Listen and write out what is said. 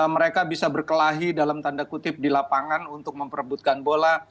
mereka bisa berkelahi dalam tanda kutip di lapangan untuk memperebutkan bola